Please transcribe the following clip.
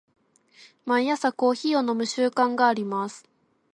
毎朝コーヒーを飲む習慣があります。